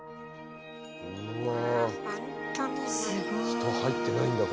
人入ってないんだ